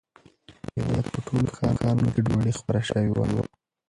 د هېواد په ټولو ښارونو کې ګډوډي خپره شوې وه.